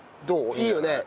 いいよね？